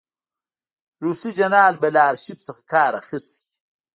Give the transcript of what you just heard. روسي جنرال به له آرشیف څخه کار اخیستی وي.